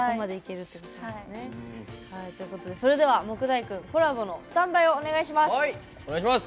それでは杢代君コラボのスタンバイお願いします。